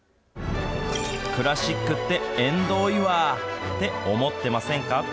クラシックって縁遠いわって思ってませんか？